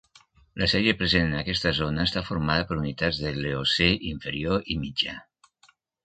La sèrie present en aquesta zona està formada per unitats de l'eocè inferior i mitjà.